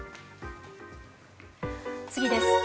次です。